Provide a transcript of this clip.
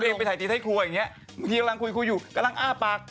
แต่ผมเองไปถ่ายตีท้ายครัวอย่างนี้บางทีกำลังคุยอยู่กำลังอ้าปาก